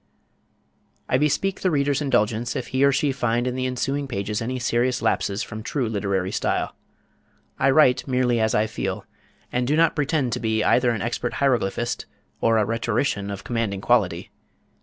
I bespeak the reader's indulgence if he or she find in the ensuing pages any serious lapses from true literary style. I write merely as I feel, and do not pretend to be either an expert hieroglyphist or a rhetorician of commanding quality.